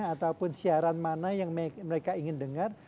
ataupun siaran mana yang mereka ingin dengar